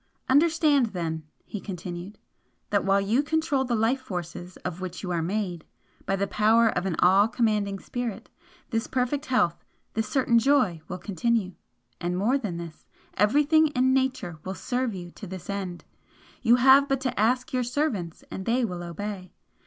"Understand then" he continued "that while you control the life forces of which you are made, by the power of an all commanding spirit, this perfect health, this certain joy will continue. And more than this everything in Nature will serve you to this end. You have but to ask your servants and they will obey.